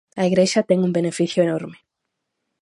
A Igrexa ten un beneficio enorme.